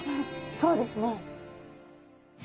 そうですね。